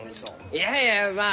いやいやまあ